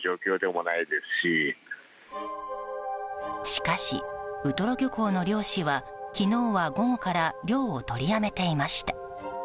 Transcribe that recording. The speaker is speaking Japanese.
しかし、ウトロ漁港の漁師は昨日は午後から漁を取りやめていました。